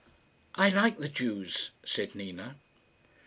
"I like the Jews," said Nina.